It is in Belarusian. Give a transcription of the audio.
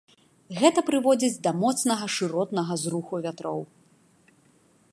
Гэта прыводзіць да моцнага шыротнага зруху вятроў.